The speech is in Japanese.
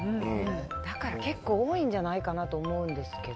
だから結構多いんじゃないかなと思うんだけど。